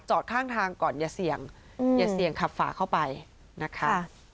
จอดข้างทางก่อนอย่าเสี่ยงขับฝาเข้าไปนะคะ